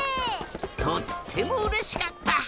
とってもうれしかった！